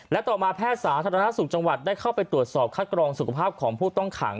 และต่อมาแพทย์สาธารณสุขจังหวัดได้เข้าไปตรวจสอบคัดกรองสุขภาพของผู้ต้องขัง